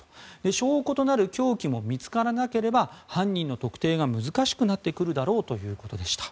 証拠となる凶器も見つからなければ、犯人の特定が難しくなってくるだろうということでした。